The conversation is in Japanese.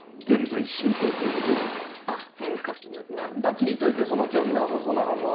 聞いておいてその興味なさそうな反応は。